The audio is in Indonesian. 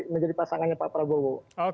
menjadi pasangannya pak prabowo